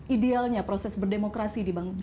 idealnya proses berdemokrasi di bank indekain